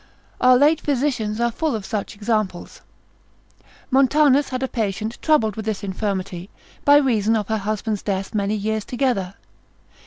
Our late physicians are full of such examples. Montanus consil. 242. had a patient troubled with this infirmity, by reason of her husband's death, many years together.